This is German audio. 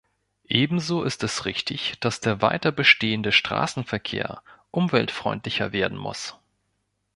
Ebenso ist es richtig, dass der weiter bestehende Straßenverkehr umweltfreundlicher werden muss.